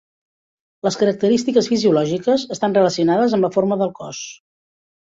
Les característiques fisiològiques estan relacionades amb la forma de el cos.